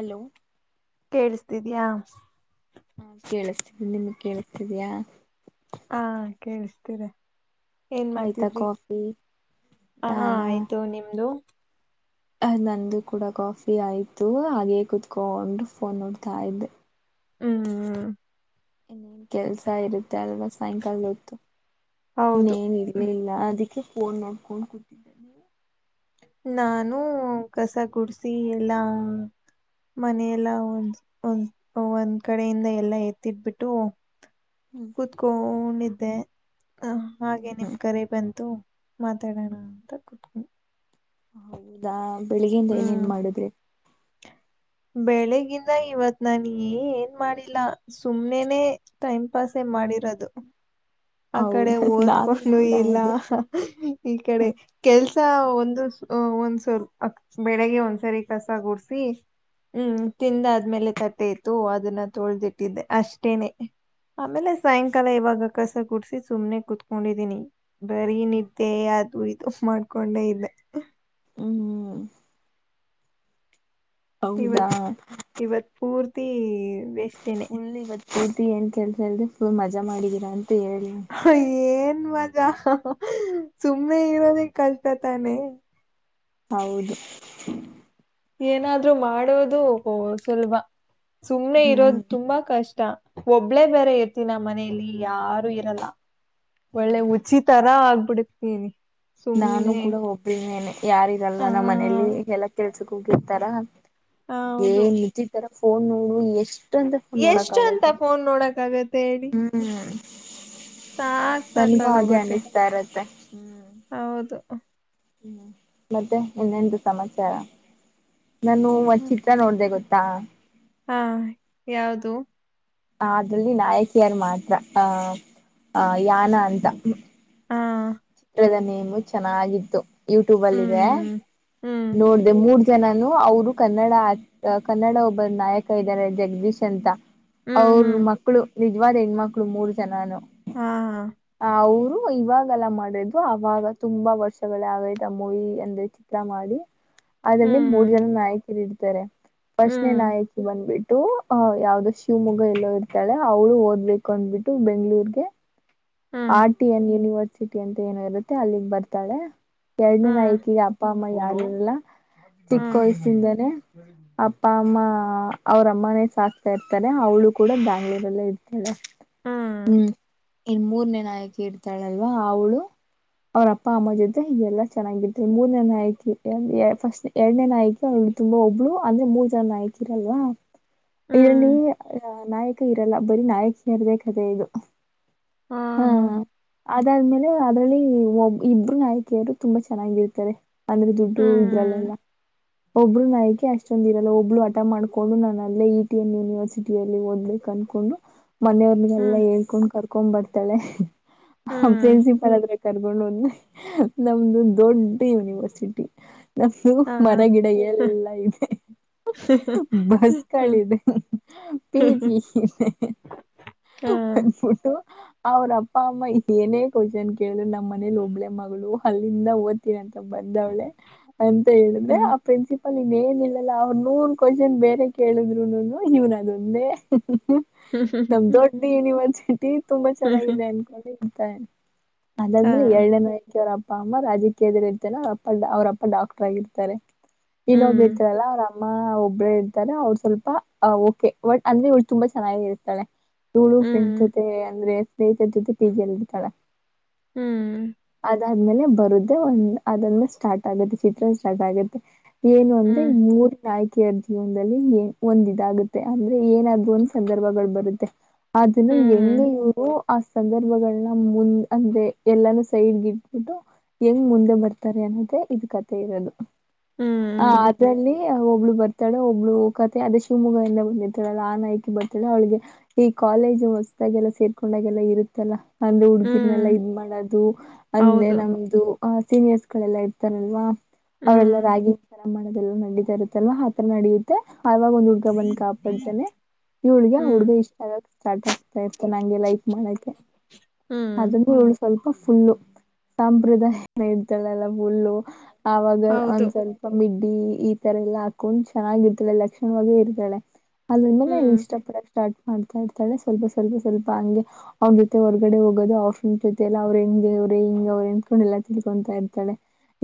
Hello ಕಿಸ್ತಿದ್ಯಾಾ ಹಾ ಕೇಳಿಸ್ತಿದಿ ನಿಮ್ಗ್ ಕೇಳಿಸ್ತಿದಯಾ ಹಾ ಕೇಳ್ತಾ ಇದೇ ಏನ್ ಆಯ್ತಾ ಮಾಡ್ತಿದ್ರಿ ಕಾಫಿ ಹ ಆಯ್ತು ನಿಮ್ದು ಅ ನಂದು ಕೂಡ ಕಾಫಿ ಆಯ್ತು ಹಾಗೇ ಕುೂತ್ಕೊಂಡು ಫೋನ್ ನೋಡ್ತಾ ಇದ್ದೆ ಹೂ ಹೂ ಇನ್ನೇನ್ ಕೆಲ್ಸ ಇರುತ್ತೆ ಅಲ್ವಾ ಸಾಯಂಕಾಲ್ಡೋತ್ತು [unintelligible] ಹ ಹೌದು ಇನ್ನೇನ್ ಇರ್ಲಿಲ್ಲ ಅದಕ್ ಕೆ ಪೋನ್ ನೋಡ್ಕೊಂಡ್ ಕೂತಿದ್ದೆ ನೀನು ನಾನು ಕಸ ಗುಡ್ಸಿ ಎಲ್ಲಾ ಮನೆಯಲ್ಲ ಒಂದ್ ಒಂದ್ ಒಂದ್ ಕಡೆಯಿಂದ ಎಲ್ಲಾ ಎತ್ತಿಟ್ಬಿಟ್ಟು ಹ್ಮ್ ಕುತ್ಕೊಂಡಿದ್ದೆ ಹಾಗೆ ನಿಮ್ ಹ್ಮ್ ಕರೆ ಬಂತ್ ತು ಮಾತಾಡಣ ಅಂತ ಕುತ್ಕೋ ಹೌದಾ ಬೆಳಿಗ್ಗೆಯಿಂದ ಏನೇನ್ ಮಾಡಿದ್ರಿ ಬೆಳಿಗಿಂದ ಇವತ್ ನಾನ ಏನ್ ಮಾಡಿಲ್ಲ ಸುಮ್ನೆನೆ ಟೈಮ್ ಪಾಸೆ ಮಾಡಿರೋದು. ಆ ಕಡೆ ಹೌದಾ ನಾನು ಓದ್ಕೊಂಡು ಕೂಡ ಇಲ್ಲ ಅದೇ ಈ ಕಡೆ ಕೆಲ್ಸ್ ಕಸ ಒಂದು ಒಂದ್ಸವಲ್ ಬೆಳಿಗ್ಗೆ ಒಂದ್ಸರಿ ಕಸ ಗುಡ್ಸಿ ಹ್ಮ್ ತಿಂದ ಆದ್ಮೇಲೆ ತಟ್ಟೆ ಇತ್ತು ಅದನ್ನ ತೊಳ್ದಿಟ್ಟಿದ್ದೆ ಅಷ್ಟೇನೆ ಆಮೇಲೆ ಸಾಯಂಕಾಲ ಇವಗ್ ಕಸ ಗುಡ್ಸಿ ಸುಮ್ನೆ ಕುೂತ್ಕೊಂಡಿದೀನಿ ಬರೀನಿದ್ದೆ ಅದು ಇದು ಉಫ್ ಮಾಡ್ಕೊಂಡೆ ಇಲ್ಲೆ ಹ ಹ್ಮ್ ಹೌದಾ ಇವತ್ ಇವತ್ ಪುರ್ತೀ ವೇಸ್ಟೆನೆ. ಫುಲ್ ಇವತ್ ಪೂರ್ತಿ ಏನ್ ಕೆಲಸ ಇಲ್ದೆೆ ಫುಲ್ ಮಜಾ ಮಾಡಿದೀರ ಅಂತ್ ಹ ಏನ್ ಮಜಾ ಹ ಹಾ ಸುಮ್ಮ್ನೆ ಇರೋದೆ ಕಷ್ಟತಾನೆ. ಹೌದು ಏನಾದ್ರೂ ಮಾಡೋದು ಸುಲಭ ಸುಮ್ಮ್ನೆ ಹ್ಮ್ ಇರೋದ್ ತುಂಬಾ ಕಷ್ ತ ಒಬ್ಳೇ ಬೇರೆ ಇರ್ತಿನ ಮನೇಲಿ ಯಾರು ಇರಲ್ಲ ಒಳ್ಳೆ ಹ್ಮ್ ಹುಚ್ಚಿತರ ಆಗ್ಬಿಡ್ತೀನಿ ನಾನು ಕೂಡ ಒಬ್ಳೆನೆ ಯಾರಿರಲ್ಲ ಆ ನಮ್ ಮನೇಲಿ ಎಲ್ಲ ಕೆಲ್ಸಕ್ ಹೋಗಿರ್ತರ ಡೇ ಹೌದು ಹುಚ್ಚಿತರ ಫೋನ್ ನೋಡ್ ಎಷ್ಟ ಅಂತ ಫೋನ್ ನೋಡಕ್ ಎಷ್ಟು ಅಂತ ಆಗುತ್ತೆ. ಫೋನ್ ನೋಡಕ್ ಆಗತ್ತೆ ಹೇಳಿ ಹ್ಮ್ [unintelligible] ಸಾಕ್ ನನ್ಗೂ ಹಾಗೆ ಸಾಕಾಗೋಗುತ್ತೆ ಅನಿಸ್ತಾ ಇರುತ್ತೆ. ತ ಹ ಹ್ಮ ಮತ್ತೆ ಇನ್ನೆಂದು ಸಮಾಚಾರ ನಾನು ಒ ಚಿತ್ರ ನೋಡ್ದೆ ಗೊತ್ ತ್ತ ಹಾ ಯಾವ್ದು ಅದ್ರಲ್ಲಿ ನಾಯಕಿಯರ್ ಮಾತ್ರ ಅಹ ಅ ಯಾನ ಅಂತ. ಹಾ ಚಿತ್ರದ ನೇಮು ಚೆನ್ನಾಗಿತ್ತು ಯುಟ್ಯೂಬಲ್ಲಿದೆ ಹ್ಮ್ ಹ್ಮ್ ನೋಡ್ದೆ ಮೂರ್ ಜನಾನು ಅವ್ರು ಕನ್ನಡ ಕನ್ನಡ ಒಬ್ಬ ನಾಯಕ ಇದರೆ ಜಗ್ದೀಶ್ ಅಂತ. ಹ್ಮ್ ಅವರ್ ಹ್ಮ್ ಮಕ್ಕಳು ನಿಜವಾದ ಹೆಣ್ಮಕ್ಳು ಮೂರು ಜನಾನು [unintelligible] ಹಾ ಅವರು ಇವಾಗೆಲ್ಲ ಮಾಡದು ಅವಾಗ ತುಂಬಾ ವರ್ಷಗಳ ಆಗೈತ ಮೂವಿ ಅಂದ್ರೆ ಚಿತ್ರ ಮಾಡಿ ಅದರಲ್ಲಿ ಹ್ಮ್ ಮೂರು ಜನ ನಾಯಕಿರು ಇರ್ತರೆ ಫಸ್ಟ್ನೇ ಹ್ಮ್ ನಾಯಕಿ ಬಂದ್ಬಿಟ್ ಟು ಅಹ್ ಯಾವ್ದೋ ಶಿವಮೊಗ್ಗ ಎಲ್ಲೋ ಇರ್ತಳೆ ಅವಳು ಓದ್ಬೇಕು ಅಂದಬಿಟ್ಟು ಬೆಂಗ್ಳೂರ್ಗೆ ಹ್ಮ್ ಆರ್ಟಿ ಎನ್ ಯುನಿವರ್ಸಿಟಿ ಅಂತ ಏನೋ ಇರುತ್ತೆ ಅಲ್ಲಿಗ್ ಬರ್ತಳೆ ಎರಡನೇ ಹ್ಮ್ ನಾಯಕಿಗೆ ಅಪ್ಪ ಅಮ್ಮ ಯಾರು ಇರಲ್ಲ ಚಿಕ್ಕ ಹ್ಮ್ ವಯ್ಸಿಂದನೆ ಅಪ್ಪ ಅಮ್ಮ ಅವರಮ್ಮನೇ ಸಾಕ್ತ ಇರ್ತಾರೆ ಅವಳು ಕೂಡ ಬ್ಯಾಂಗ್ಳೂರಲ್ಲೇ ಇರ್ತಳೆ ಹ್ಮ್ ಇನ್ ಮೂರ್ನೆ ನಾಯಕಿ ಇರ್ತಳಲ್ವಾ ಅವ್ಳು ಅವ್ರ ಅಪ್ಪ ಅಮ್ಮ ಜೊತೆ ಹೀಗೆಲ್ಲ ಚೆನ್ನಾಗಿರ್ ಮೂರನೇ ನಾಯ್ಕಿ ಫಸ್ಟ್ ಎರಡನೇ ನಾಯ್ಕಿ ಅವ್ ತುಂಬಾ ಒಬ್ಳು ಅಂದ್ರೆ ಮೂರ್ ಜನ ಇದ್ರಲ್ವ ಹ್ಮ್ ಇದರಲ್ಲಿ ನಾಯಕ ಇರಲ್ಲ ಬರೀ ನಾಯಕಿಯರದೇ ಕತೆೆ ಇದು. ಹಾ ಹಾ ಹ್ಮ್ ಅದಾದ್ಮೇಲೆ ಅದ್ರಲ್ಲಿ ಒಬ್ ಇಬ್ರು ನಾಯಕಿಯರು ತುಂಬಾ ಚೆನ್ನಾಗಿರ್ತರೆ ಅಂದ್ರೆ ದುಡ್ಡು ಇದ್ರ ಹ್ಮ್ ಅಲ್ಲೆಲ್ಲ ಒಬ್ರು ನಾಯ್ಕಿ ಅಷ್ಟೊಂದ ಇರಲ್ಲ ಒಬ್ಳ ಹಟ ಮಾಡ್ಕೊಂಡು ನಾನು ಅಲ್ಲೇ ಇ ಟಿ ಎನ್ ಯೂನಿವರ್ಸಟಿಯಲ್ಲಿ ಓದ್ಲಿ ಕನ್ಕೊಂಡು ಮನೆಯವ್ರಿಗೆಲ್ಲ ಹ್ಮ್ ಹೇಳ್ಕೊಂಡ್ ಕರ್ಕೊಂಡ್ ಬರ್ತಾಳೆ ಹ್ಮ್ ಪ್ರಿನ್ಸಿಪಲ್ ಅದ್ರೆ ಕರ್ಕೊಂಡೋಂದ್ ನಮ್ದು ದೊಡ್ಡ ಯುನಿವರ್ಸಿಟಿ ನಮು ಹಾ ಮರಗಿಡ ಎಲ್ಲಾ ಇದೆ ಹಾ ಬಸ್ ಕಳಿದೆ ಪೀಜಿ ಅಂದಬಟ್ಟು ಅವ್ರ ಅಪ್ಪ ಅಮ್ಮ ಏನೇ ಕ್ವಶನ್ ಕೇಳಿದ್ರು ನಮ್ಮ್ ಮನೇಲಿ ಒಬ್ಬಳೆ ಮಗಳು ಅಲ್ಲಿಂದ ಓದ್ತಿೀರಂತೆ ಬಂದವಳೆ ಅಂತ ಹೇಳ್ದೆ ಹ್ಮ್ ಆ ಪ್ರೆಸಿ ಅವನ್ ಏನ ಇಲ್ಲಾ ಅವ್ರನುೂ ಒನ್ ಕ್ವಶನ್ ಬೇರೆ ಕೇಳಿದ್ರುನು ಇವ್ನ ಅದೊಂದೇ ್ಮ ನಮ ದೊಡ್ಡ ಯೂನಿವರ್ಸಿಟಿ ತುಂಬಾ ಚೆನ್ನಾಗಿದೆ ಅನ್ಕೊಂಡ ಅಂತ ಹಾ ಅದಾದ್ಮೇಲೆ ಎಏನೇ ನರ ಅಪ್ಪ ಅಮ್ಮ ರಾಜಕೀಯದ್ರರು ಇರ್ತಾನ ಅವ್ರಪ್ಪ ಅವ್ರಪ್ಪ ಡಾಕ್ಟರ್ ಆಗಿರ್ತಾರೆ ನೀನ್ಬ್ಬಿ ಹ್ಮ್ ಇರ್ತಾರಲ್ಲ ಅವ್ರ ಅ ಅಮ್ಮ ಒಬ್ಬರು ಇರ್ತಾರೆ ಅವ್ರ ಸ್ವಲ್ಪ ಓಕೆ ಬಟ್ ಅಂದ್ರೆ ಇಳು ತುಂಬಾ ಚೆನ್ನಾಗಿ ಇರ್ತಾಳೆ ಳು ಫ್ರೆಂಡ್ ಹ್ಮ್ ಜೊತೆ ಅಂದ್ರೆ ಸ್ನೇಹಿತರ ಜೊತೆ ಪಟಿ ಜ ಎಲ್ಲಿರ್ತಾಳ ಹ್ಮ್ ಅ ಆದ್ಮೇಲೆ ಬರುದೇ ಒಂದ್ ಅದಂದ ಸ್ಟಾರ್ಟ್ ಆಗುತ್ತೆ ಚಿತ್ರ ಸ್ಟಾರ್ಟ್ ಆಗತ್ತೆ ಏನು ಅಂದ್ರೆ ಈ ಹ್ಮ್ ಮೂರು ನಾಯಕು ಜೀವನದಲ್ಲಿ ಏ ಒಂದ ಇದಾಗುತ್ತೆ ಅಂದ್ರೆ ಏನಾದ ಒಂದ್ ಸಂದರ್ಭಗಳು ಬರುತ್ತೆ ಅದನ್ನು ಹ್ಮ್ ಹ್ಮ್ ಎಂಗಯೂ ಸಂದರ್ಭಗಳನ್ನ ಮುಂದ್ ಅಂದೆ ಎಲ್ಲಾನೂ ಸೈಡ್ಗ ಇಟ್ಬಿಟ್ಟು ಹೆಂಗ್ ಮುಂದೆ ಬರ್ತಾರೆ ಅನ್ನೋದೇ ಇದದು ಕತೆೆ ಇರೋದು ಆ ಅದ್ರಲ್ಲಿ ಒಬ್ಳು ಬರ್ತಾಳ ಒಬ್ಳು ಕತೆ ಅದೇ ಶಿವಮೊಗ್ಗದಂದ ಬಂದಿರ್ತಾಳಲ್ಲ ಆಾನ ಹಕ ಬರ್ತಾಳ ಅವಳಿಗೆ ಈ ಕಾಲೇಜು ಹೊಸ್ದಾಗೆಲ್ಲ ಸೇರ್ಕೊಂಡಾಗೆಲ್ಲ ಇರುತ್ತೆ ಲ್ಲ ಅಂದೆ ಹುಡುಗಿರ್ನೆೆಲ್ಲಾ ಹ್ಮ್ ಇದ್ ಮಾಡೋದು ಅಂದೆ ಹೌದು ನಮ್ದು ಅ ಸೀನಿಯರ್ಸ್ ಮಕ್ಕಳೆಲ್ಲಾ ಇರ್ತಾರಲ್ವಾ ಅವ್ರೆಲ್ಲಾ ಹ್ಮ್ ರಾಗಿಾರ ಮಾಡದೆಲ್ಲ ನಡಿತಾ ಇರ್ತ್ತಲ್ವ ಆತರ ನಡೆಯುತ್ತೆ ಆವಾಗ ಒಂದ್ ಹುಡ್ಗ ಬಂದ್ ಕಾಪಾಡ್ತೇನೆ ಇ ಹಳಗ ಹ್ಮ್ ಹುಡ್ಗ ಇಷ್ಟ ಆಗ ಸ್ಟಾರ್ಟ್ ಆಗ್ತಾ ಇತ ನಂಗೆ ಲೈಕ್ ಮಾಡಕೆ ಹ್ಮ್ ಅದನ್ನುು ಸ್ವಲ್ಪ ಫುಲ್ಲು ಸಾಂಪ್ರದಾಯನ ಇಡ್ತಾಳೆಲ್ಲ ಫುಲ್ಲು ಆಾಗ ಹೌದು ಒಂದ್ ಸ್ವಲ್ಪ ಮಿಡ್ ಡಿ ಈ ತರ ಎಲ್ಲಾ ಹಾಕೊಂಡ್ ಚೆನ್ನಾಗಿರ್ತಾೆ ಲಕ್ಷಣವಾಗ ಇರ್ತಾಳ ಅದ್ರ ಮೇಲೆ ಹ್ಮ್ ಇಷ್ಟ ಪಡ ಸ್ಟಾರ್ಟ್ ಮಾಡ್ತಾ ಇರ್ತಾಳೆ ಸ್ವಲ್ಪ ಸ್ವಲ್ಪ ಸ್ವಲ್ಪ ಹಂಗೆ ಹೋಗಿ ಮತ್ತೆ ಹೊರ್ಗಡೆ ಹೋಗೋದು ಆಫ್ರನ್ ಜೊತೆ ಎಲ್ಲ ಅವ್ರರು ಹೆಂಗೆ ಅವ್ರೇ ಹಿಂಗ ಅವರು ಅಂದತ್ಕೊಂಡ ಎಲ್ಲ ತಿಳ್ಕೊಂತಾ ಇತಳೆ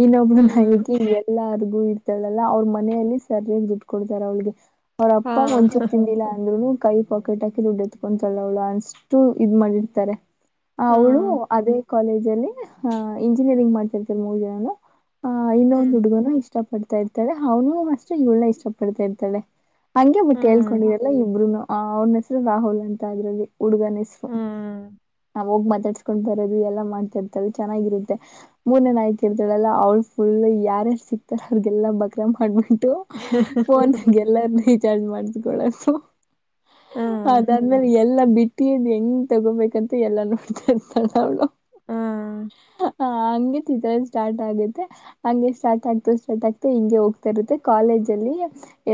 ಇನ್ನೊಬ್ರು ನ ಹ್ಮ್ ಹಗ ಎಲ್ಲಾರ್ಗು ೂ ಇರ್ತಾಳಲ್ಲಾ ಅವ್ರ ಮನೆಯಲ್ಲಿ ಸರಿಯಾಗಿ ದುಡ್ಡು ಕೊಡ್ತಾರೆ ಅವಳಿಗೆ ಹಾ ಅವ್ರಪ್ಪ ಮುಂಚೂಗ್ ತಿಂದಿಲ್ಲಾ ಅಂದ್ರುನು ಕೈ ಪಾಕೆಟ್ ಹಾಕಿ ದುಡ್ಡು ಎತ್ಕೊಂತೊಳ್ಳೋಳ ಅಷ್ಟು ಇದ್ ಮಾಡಿರ್ತಾರೆ ಹಾ ಅವಳು ಅದೇ ಕಾಲೇಜ ಅಲ್ಲಿ ಇಂಜಿನಿಯರಿಂಗ್ ಮಾಡ್ತಿರ್ತಾರೆ ಮೂರ್ ಜನನು ಆಹ ಇನ್ನೊಂದು ಹ್ಮ್ ಹ್ಮ್ ಹುಡುಗನು ಇಷ್ಟ ಪಡ್ತಾ ಇರ್ತಳೆ ಅವನು ಅಷ್ಟೆ ಇವನ ಇಷ್ಟ ಪಡ್ತಾ ಇರ್ತಾಳೆ ಹಂಗೆ ಬಿಟ್ಟು ಹ್ಮ್ ಹೇಳ್ಕೊಂಡಿದಲ್ಲ ಇಬ್ಬರುನು ಅವ್ರನ ಹೆಸರು ರಾಹುಲ್ ಅಂತ ಅದ್ರಲ್ಲಿ ಹುಡುಗ ಹೆಸರು ನಾವ ಹೋಗ್ ಮಾತಾಡ್ಸ್ಕೊಂಡ್ ಬರೋದು ಎಲ್ಲ ಮಾಡ್ತಿರ್ತಾವ ಚೆನ್ನಾಗಿರುತ್ತೆ ಮೂರನೇ ನಾಯ್ಕ ಇರ್ತಾಳೆಲ್ಲ ಅವಳ ಫು ಯಾರ್ಯಾರು ಸಿಕ್ತಾರ ಅವ್ರಿಗೆಲ್ಲಾ ಬಕ್ರ ಮಾಡ್ಬಿಟ್ಟು ಫೋನ್ಗೆಲ್ಲ ಮಾಡಸಕಳದು ಹಾ ಅದಾದ್ಮೇಲೆ ಎಲ್ಲಾ ಬಿಟ್ಟಿ ಹೆಂಗ್ ತಗೋಬೇಕು ತ ಎಲ್ಲ ನೋಡ್ತರ್ತಳ ಅವಳು ಹಾ ಹ ಹಗೆ ಸ್ಟಾರ್ಟ್ ಆಗುತ್ತೆ ಹಂಗೆ ಸ್ಟಾರ್ಟ್ ಆಗ್ತ ಸ್ಟಾರ್ಟ್ ಆಗ್ತ ಹಿಂಗೆ ಹೋಗ್ತರುತ್ತೆ ಕಾಲೇಜ್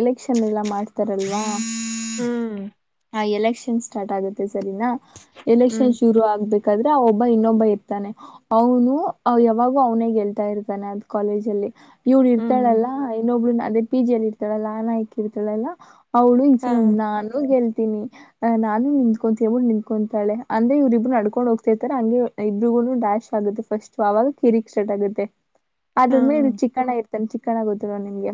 ಎಲೆಕ್ಷನ್ ಎಲ್ಲ ಮಾಡ್ತಾರಲ್ವಾ ಹ್ಮ್ ಎಲೆಕ್ಷನ್ ಸ್ಟಾರ್ಟ್ ಆಗುತ್ತೆ ಸರಿನಾ ಎಲೆಕ್ಷನ್ ಹ್ಮ್ ಶುರು ಆಗ್ಬೇಕು ್ರೆ ಆ ಒಬ್ಬ ಇನ್ನೊಬ್ಬ ಇರ್ತಾನೆ ಅವನು ಯಾವಾಗೂ ಅವ್ನೇ ಗೆಲ್ತಾ ಇರ್ತೆ ಅದ್ ಕಾಲೇಜ್ ಅಲ್ಲಿ ಇವ್ಳ ಹ್ಮ್ ಇರ್ತಳಲ್ಲಾ ಇನ್ನೊಬ್ಳ ಅದೇ ಪಿ ಜಿಯಲ್ಲಿ ಇರ್ತಾಳಲ್ಲ ಅನಾಯಕ ಇರ್ತಾಳಲ್ಲ ಅವ್ಳ ಹಾ ಈಸಲ ನಾನು ಗೆಲ್ತೀನಿ ಅ ನಾನು ನಿಂತ್ಕೊಂತೀಬು ನಿಂತ್ಕೊಂತಿ ಳ ಅಂದ್ರೆ ಇ್ರ ಇಬ್ರು ನಡ್ಕೊಂಡು ಹೋಗ್ತಿರ್ತಾರೆ ಹಾಗಂಗ ಇಬರಿಗೂ ಡ್ಯಾಶ ಆಗುತ್ತೆಫಸ್ಟ್ ಆಗ ಕಿರಿಕ್ ಸ್ಟಟ್ ಆಗುತ್ತೆ ಂತೆ ಹಾ ಅದಾದ್ಮೇಲೆ ಇ ಚಿಕ್ಕಣ್ಣ ಇರ್ತಾನ ಚಿಕ್ಕಣ ಗೊತ್ತಿಲ್ಲ ನಿಮಗೆ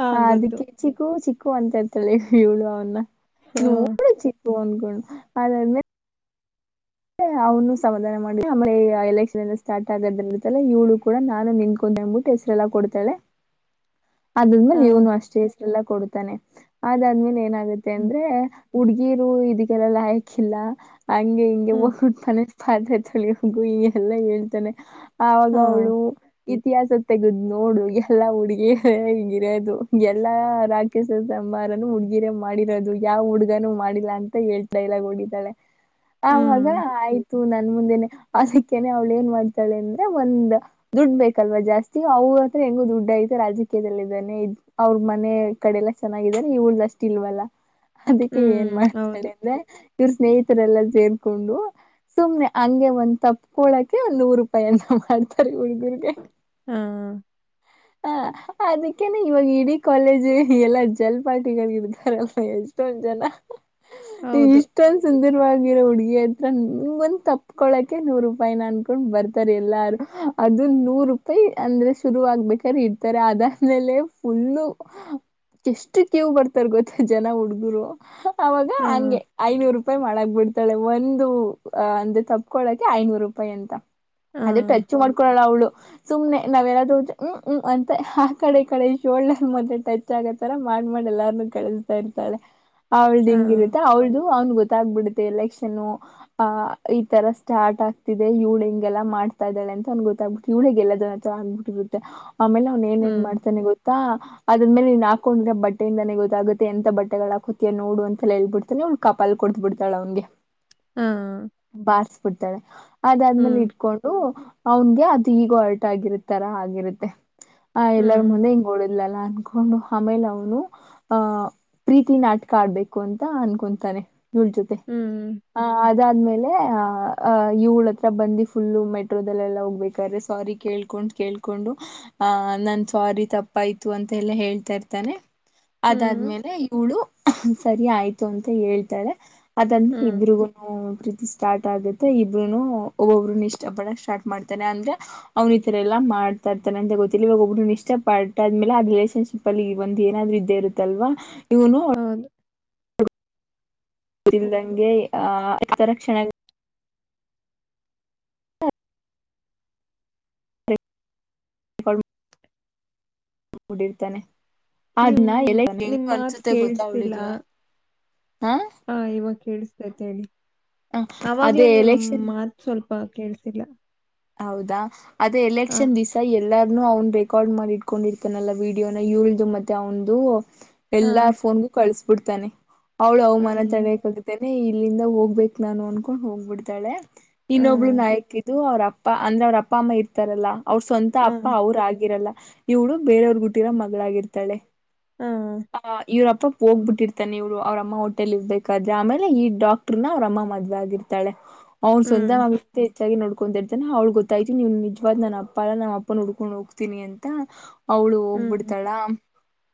ಹಾ ಆ ಗೊತ್ತು ಅದಕ್ಕೆ ಚಿಗೂ ಚಿ ಕ್ಕು ಅಂತತಲ್ಲೆ ಇವಳು ಅವನ್ನ ಹಾ ನೋಡು ಚಿಕ್ಕು ಅಂದಕೊಂಡು ಅದಾದ್ಮೇಲೆ ಅವನು ಸಮಾಧಾನ ಮಾಡಿ ಎಲೆಕ್ಷನ್ ಸ್ಟಾರ್ ಆಗ ಇ್ಳು ಕೂಡ ನಾನು ನಿನ್ಕೊ ೆಂಬಟ್ಟ ಹೆಸರೆಲ್ಲಾ ಕೊಡ್ತಾಳೆ ಹಾ ಅದಾದ್ಮೇಲೆ ಇವನು ಅಷ್ಟ ಎಷ್ಟೆಲ್ಲಾ ಕೊಡ್ತಾನೆ ಅದಾದ್ಮೇಲೆ ಏನಾಗುತ್ತೆ ಹ್ಮ್ ಅಂದ್ರೆ ಹುಡ್ಗಿರು ಇದಕ್ಕೆಲ್ಲಲ್ಲ ಹಯಕಿಲ್ಲ ಹಂಗೆ ಹಿಂಗೆ ಹ್ಮ್ ಹೋಗ್ತ ಪಾತ್ರೆದ್ರೆ ತೊಳಿ ಹೋಗು ಈ ಎಲ್ಲ ಹೇಳ್ತಾನೆ ಆವಾಗ ಹಾ ಅವಳು ಇತಿಹಾಸದ ತೆಗದ್ ನೋಡು ಎಲ್ಲಾ ಹುಡುಗಿ ಹಗಿರೋದು ಎಲ್ಲಾ ರಾಕೇಶ್ ಅಮ್ಮಾರನು ಹುಡ್ಗಿರ ಮಾಡಿರೋದು ಯಾವ್ ಹುಡ್ಗನು ಮಾಡಿಲ್ಲ ಅಂತ ಹೇಳ್ತಾ ಡೈಲಾಗ ಹೊಡಿತಾಳೆ ಆಾಗ ಹ್ಮ್. ಆಯ್ತ ನನ್ ಮುಂದೆನೆ ಅದಕ್ಕನೆ ಅವ್ಳು ಏನ್ ಮಾಡ್ತಾಳೆ ಅಂದ್ರೆ ಒಂದ ದುಡ್ ಬೇಕಲ್ವಾ ಜಾಸ್ತಿ ಅವ ಊಳ ಹತ್ರ ಹೆಂಗು ದುಡ್ಡ ಆಐತೆ ರಾಜಕೀಯದಲ್ಲಿಲ್ಲ ಇದಾನೆ ಅವ್ರ ಮನೆ ಕಡೆಲ್ಲ ಚೆನ್ನಾಗಿದ್ದಾನೆ ಇ ಉಳ್ದಷ್ಟು ಇಲ್ವ ಅಲ್ಲ ಅದಕ್ಕೆ ಏನ್ ಹ್ಮ್. ಮಾಡ್ತಾಳ ಹೌದು. ಅಂದ್ರೆ ಇವ್ರ ಸ್ನೇಹಿತರೆಲ್ಲ ಸೇರ್ ೊಂಡು ಸುಮ್ನೆ ಹಂಗೆ ಒಂದ್ ತಪ್ಕೊಳಕ್ಕೆ ಒಂದ ನೂರು ರೂಪಾಯಿನ್ನ ಮಾಡ್ತಾರೆ ಹುಡ್ಗುರ್ಗೆ ಹಾ ಹ ಅದಕ್ಕೇನೆ ಇವಾಗ ಇಡೀ ಕಾಲೇಜ್ ಎಲ್ಲ ಜಲ್ಪ್ಟಿಗ ಇರ್ತಾರಲ್ಲ ಎಷ್ಟೊ ಜನ ನೀವ್ ಹೌದು. ಇಷ್ಟೊಂದ ಸುಂದರವಾಗಿರೋ ಹುಡುಗಿ ಏತನ್ ನಿಂದ ತಪ್ಕೊಳಕೆ ನೂರು ರೂಪಾಯ ಅನ್ಕೊಂಡ್ ಬರ್ತಾರೆ ಎಲ್ಲಾರು ಅದು ನೂರ ರೂಪಾಯಿ ಅಂದ್ರೆ ಶುರು ಆಗ್ಬೇಕ್ರೆ ಇಡ್ತಾರೆ ಅದಾದ್ಮೇಲೆ ಫುಲ್ಲು ಎಷ್ಟು ಕೀವು್ ಬರ್ತಾರ ಗೊತ್ತ ಜನ ಹುಡ್ಗರು ಅವಾಗ ಹಾ. ಹಂಗೆ ಐನೂರು ರೂಪಾಯಿ ಮಾಡಕ್ ಬಿಡ್ತ ಒಂದು ಅ ಅಂದ ತಪ್ಕೊಳಕೆ ಐನೂರು ರೂಪಾಯಿ ಅಂತ ಹಾ. ಅದೆ ಟಚ್ ಮಾಡ್ಕೊೊಳ್ಳಳ ಅವಳು ಸುಮ್ನೆ ನಾವ್ೆಲ್ಲಾದೂ ಹೋದ್ರೆ ಹ್ಮ್ ಹ್ಮ್ ಅಂತ ಆ ಕಡೆ ಕಡೆ ಶೋಲ್ಡರ್ ಮೊದೆ ಟಚ್ ಆಗತರ ಮ ಮಾಡ್ ಮಾಡಿ ಎಲ್ಲಾರು ಕಳಿಸ್ತಾ ಇತಾಳೆ ಅವ್ಳ್ದ ಹಾ. ಹಿಂಗಿರುತ್ತೆ ಅವಳ್ದು ಅವ್ನು ಗೊತ್ತಾಗ್ಬ ಬಿಡುತ್ತೆ ಲಕ್ಷ್ಮ ಷನ್ನು ಈ ತರ ಸ್ಟಾರ್ಟ್ ಆಗ್ತಿದೆ ಯುಳ್ ಹಂಗೆಲ್ಲ ಮಾಡ್ತಾ ಇದಾಳೆ ಅಂತ ಗೊತ್ತಾಗ್ಬಿಟ್ಟ ಅವ್ನೆ ಗೆಲ್ಲ ಜನ ತರ ಅಂದಬಿಟ್ಟಿರುತ್ತೆ ಆಮೇಲೆ ಅವ್ನ್ ಏನ್ ಏನ್ ಹ್ಮ್. ಮಾಡ್ತಾನೆ ಗೊತ್ತಾ ಅದನ್ ಮೇಲೆ ನೀನ್ ಹಾಕೊಂಡ್ರ ಬಟ್ಟೆಯಿಂದನೇ ಗೊತ್ತಾಗುತ್ತೆ ಎಂತ ಬಟ್ಟೆಗಳು ಹಾಕತಾ ನೋಡು ಅಂತ ಹೇಳ್ಡ್ತಾನೆ ಕಪಲ್ ಕೊಡ್ ಬಿಡ್ತಾಳ ಅವನ್ಗೆ ಹಾ. ಬಾರ್ಸ್ಬಿಡ್ತಾಳೆ ಅದಾದ್ಮೇಲೆ ಹ್ಮ್. ಇಟ್ಕೊಂಡು ಅವನ್ಗೆ ಅದು ಈಗೋ ಅರ್ಟ್ ಆಗಿರ್ತ್ತಾರ ಆಗಿರುತ್ತೆ ಆ ಎಲ್ಲರ ಹ್ಮ್. ಮುಂದೆ ಹಿಂಗ ಓಡಿದ್ಲಲ್ಲ ಅ ಅನ್ಕೊಂಡು ಆಮೇಲೆ ಅವನು ಆ ಪ್ರೀತಿ ನಾಟಕ ಆಡ್ಬೇಕು ಅಂತ ಅನ್ಕೊತಾನೆ ಇವ್ಳ್ ಜೊತೆ ಹ್ಮ್. ಆ ಅದಾದ್ಮೇಲೆ ಆ್ಹ್ ಇವಳ ಹತ್ರ ಬಂದು ಫುಲ್ಲು ಮೆಟ್ರೋದಲ್ಲೆಲ್ಲ ಹೋಗ್ಬೇಕಾದ್ರೆ ಸ್ವಾರಿ ಕೇಳ್ಕೊಂಡ್ ಕೇಳ್ಕೊಂಡು ಆ ನನ್ ಸ್ವಾರಿ ತಪ್ಪಾಯ್ತು ಅಂತ ಎಲ್ಲಾ ಹೇಳ್ತಾ ಇರ್ತಾನೆ ಹ್ಮ್. ಅದಾದ್ಮೇಲೆ ಇವಳು ಸರಿ ಆಯ್ತು ಅಂತ ಹೇಳ್ತಾಳೆ ಆ ಹ್ಮ್. ಇಬ್ರಿಗೂ ಪ್ರೀತ್ ಸ್ಟಾರ್ಟ್ ಆಗುತ್ತೆ ಇಬ್ರನು ಒಬ್ಬೊಬ್ರನು ಇಷ್ಟ ಪಡ ಸ್ಟಾರ್ಟ್ ಮಾಡ್ತಾನೆ ಅಂದ್ರೆ ಅವ್ನ ಈ ತರ ಎಲ್ಲ ಮಾಡ ತರ್ತಾರೆ ಅಂತ ಗೊತ್ತಿಲ್ಲ ಇವಾಗ ಒಬ್ಬರು ಇಷ್ಟ ಪಟ್ಟ ಆದ್ಮೇಲೆ ಆ ರಿಲೇನ್ಶಿಪ್ ಅಲ್ಲಿಗ ಒಂದ ಏನಾದ್ರು ಇದದೆ ಇರುತ್ತಲ್ವಾ ಇವ್ನು ಹೌದು. ಇದಲ್ದಂಗೆ ಆ ಹತರಕ್ಷಣೆ [unintelligible] ಬ [unintelligible] ಡಿರ್ತಾನೆ ನಿಮ್ ಆದ್ನ ಎಲ್ಲ ನಿಮ್ ಹೆಂಗು ಮಾತ್ ಅನ್ಸುತ್ತೆ ಗೊತ್ತಾ ಕೇಳಿಸ್ತಿಲ್ಲ. ಅವಳಿಗೆ ಹ ಹಾ ಇವಾಗ ಕಳ್ಸತೇತ್ ಅದೇ ಅವಾಗ್ಲೇ ನಿಮ್ ಎಲೆಕ್ಷನ್ ಮಾತ್ ಸ್ವಲ್ಪ ಪ ಕೇಳ್ಸಿಲ್ಲ ಹೌದಾ ಅದು ಹ. ಎಲೆಕ್ಷನ್ ದಿವಸ ಎಲ್ಲಾರ ಅವ್ನ್ ಬೆಕಾರ್ಡ್ ಮಾಡಿ ಇಟ್ಕೊಂಡಿರ್ತಾನಲ್ಲ ವೀಡಿಯೋನ ಇಳ್ದು ಮತ್ತೆ ಅವಂದು ಹಾ. ಎಲ್ಲ ಫೋನ್ಗು ಕಳಸ್ ಬಿಡ್ತಾನೆ ಅವ್ಳು ಅವಮಾನ ಅಯ್ಯೋ. ತಡೆಯಕ್ಗುತ್ತೇ ಇಲ್ಲಿಂದ ಹೋಗ್ಬೇಕಕ್ ನಾನು ಅನ್ಕೊಂಡ್ ಹೋಗ್ಬಿಡ್ತಾಳೆ ಹಾ. ಇನ್ನೊಬ್ಳು ನಾಯಕಿದು ಅವ್ರ ಅಪ್ಪ ಅಂದ್ರೆ ಅವ್ರ ಅಪ್ಪ ಅಮ್ಮ ಇರ್ತಾರಲ್ಲಾ ಅವ್ರ ಸ್ವಂತ ಹಾ. ಅಪ್ಪ ಅವರು ಆಗಿರಲ್ಲ ಇವಳು ಬೇರೆಯವ್ರಗ ಹುಟ್ಟಿರೋ ಮಗಳಾಗಿರ್ತಾಳೆ ಹಾ. ಆ ಇವ್ರ ಪ್ಪಾ ಹೋಗ್ಬಿಟ್ಟಿರ್ತಾನೆ ಇವ್ಳು ಅವ್ರ ಅಮ್ಮ ಹೊಟ್ಟೆಲ ಇರ್ಬೇಕಾದ್ರೆ ಆಮೇಲೆ ಈ ಡಾಕ್ಟ್ರನ ಅವ್ರ ಅಮ್ಮ ಮದ್ವೆ ಆಗರ್ತಾಳೆ. ಅವ್ನ ಸ್ವಂತ ಹ್ಮ್. ಮಗ ಆತಿ ಹೆಚ್ಚಾಗಿ ನೋಡ್ಕೊಂಡಿರ ನೇ ಅವ್ಳಗ ಗೊತ್ತಾಯ್ತಿ ನೀವು ನಿಜವಾದ ನನ್ನ ಅಪ್ಪ ಅಲ್ಲಾ ನಮ್ಮ ಅಪ್ಪನ ಹುಡ್ಕೊಂಡು ಹೋಗ್ತೀನಿ ಅಂತ ಅವಳು ಹ್ಮ್. ಹೋಗ್ಬಿಡ್ತಾಳ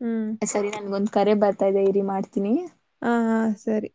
ಹ್ಮ್. ಸರಿ ನನ್ಗೊಂದ ಕರೆ ಬರ್ತಾಇದೆ ಇರಿ ಮಾಡ್ತ ಹ ಹ ಸರಿ.